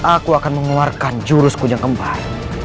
aku akan mengeluarkan jurus kujang kempar